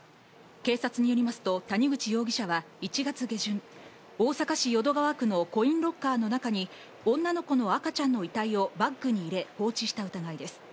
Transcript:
警察によりますと、谷口容疑者は１月下旬、大阪市淀川区のコインロッカーの中に女の子の赤ちゃんの遺体をバッグに入れ、放置した疑いです。